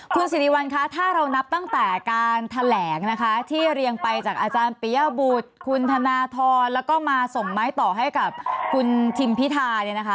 คุณสิริวัลคะถ้าเรานับตั้งแต่การแถลงนะคะที่เรียงไปจากอาจารย์ปียบุตรคุณธนทรแล้วก็มาส่งไม้ต่อให้กับคุณทิมพิธาเนี่ยนะคะ